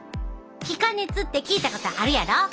気化熱って聞いたことあるやろ？